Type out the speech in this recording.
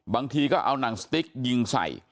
บางทีก็เอาหนังสติ๊กยิงใส่